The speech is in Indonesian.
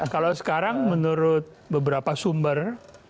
kalau sekarang menurut beberapa sumber